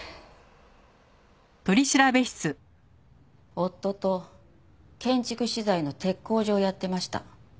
夫と建築資材の鉄工所をやってました。